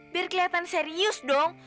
biar keliatan serius dong